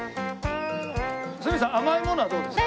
鷲見さん甘いものはどうですか？